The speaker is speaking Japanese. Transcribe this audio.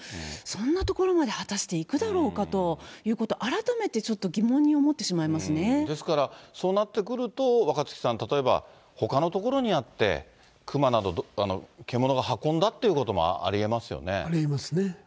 そんな所まで果たして行くだろうかということ、改めてちょっと、ですから、そうなってくると、若槻さん、例えば、ほかの所にあって、熊など、獣が運んだということもありえますよね？